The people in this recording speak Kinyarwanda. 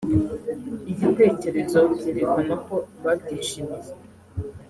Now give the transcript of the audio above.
igitkerezo byerekana ko babyishimiye